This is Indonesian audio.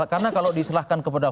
karena kalau diselahkan kepada